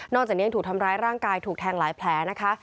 จากนี้ยังถูกทำร้ายร่างกายถูกแทงหลายแผลนะคะ